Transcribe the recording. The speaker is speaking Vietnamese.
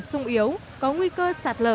sung yếu có nguy cơ sạt lở